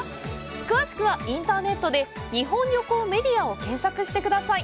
詳しくは、インターネットで「日本旅行メディア」を検索してください！